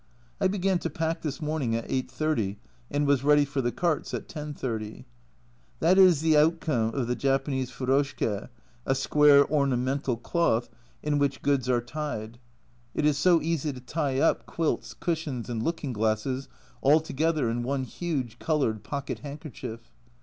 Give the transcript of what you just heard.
I began to pack this morning at 8.30, and was ready for the carts at 10.30! That is the outcome of the Japanese fertiske (a square ornamental cloth in which goods are tied), it is so easy to tie up A Journal from Japan 137 quilts, cushions, and looking glasses all together in one huge coloured pocket handkerchief.